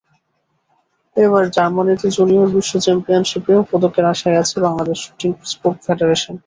এবার জার্মানিতে জুনিয়র বিশ্ব চ্যাম্পিয়নশিপেও পদকের আশায় আছে বাংলাদেশ শুটিং স্পোর্ট ফেডারেশন।